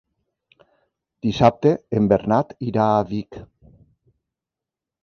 Dissabte en Bernat irà a Vic.